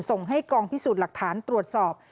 ส่งให้กองพิสูจน์หลักฐานตรวจสอบ